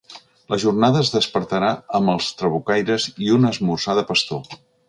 La jornada es despertarà amb els trabucaires i un esmorzar de pastor.